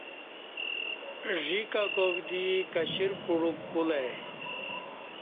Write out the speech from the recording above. ژی ککاک دی کشرپڈوک کولہ ای